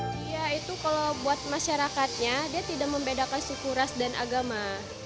dia itu kalau buat masyarakatnya dia tidak membedakan suku ras dan agama